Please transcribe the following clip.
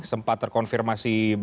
sempat terkonfirmasi bung mardhani maming